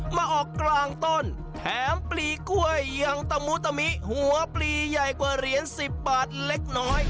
มาออกกลางต้นแถมปลีกล้วยอย่างตะมุตะมิหัวปลีใหญ่กว่าเหรียญ๑๐บาทเล็กน้อย